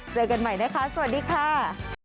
เจอกันใหม่นะคะสวัสดีค่ะ